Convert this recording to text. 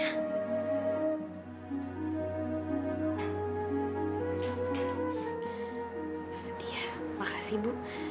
ya makasih ibu